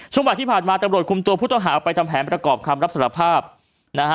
บ่ายที่ผ่านมาตำรวจคุมตัวผู้ต้องหาไปทำแผนประกอบคำรับสารภาพนะฮะ